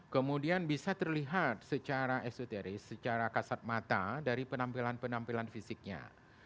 kemudian bisa terlihat secara esoteris secara kasat mata dari penampilan penampilan fisiknya